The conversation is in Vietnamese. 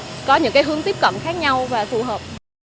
để có những cái hướng tiếp cận khác nhau và phù hợp